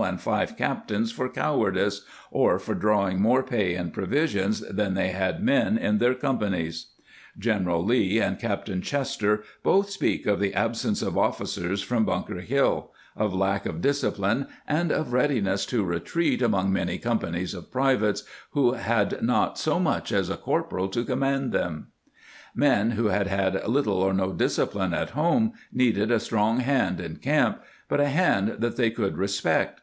and five Captains for Coward ice, or for drawing more Pay & Provisions than they had Men in their Companies."^ General Lee and Captain Chester both speak of the ab 1 Boston m 1775 (Ford), p. 15. "^ Ibid., p. 14. 3 Ihid., p. 29. [ 132 ] Officer and Private sence of ofScers from Bunker Hill, of lack of discipline, and of readiness to retreat among many companies of privates who had not so much as a corporal to command them.^ Men who had had little or no discipline at' home needed a strong hand in camp, but a handj that they could respect.